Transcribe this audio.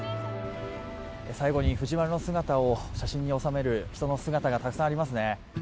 最後に藤丸の姿を写真に収める人の姿がたくさんありますね。